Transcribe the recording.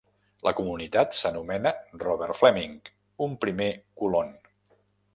La comunitat s'anomena Robert Fleming, un primer colon.